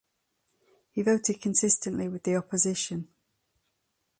He voted consistently with the Opposition.